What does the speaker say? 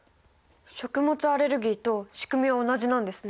食物アレルギーとしくみは同じなんですね。